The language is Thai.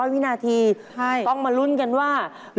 ๑๐๐วินาทีต้องมาลุ้นกันว่าใช่